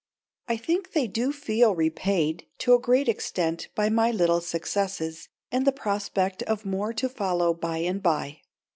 I think they do feel repaid to a great extent by my little successes and the prospect of more to follow by and by.